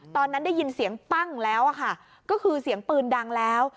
ตอนนั้นได้ยินเสียงปั้งแล้วค่ะก็คือเสียงปืนดังแล้ว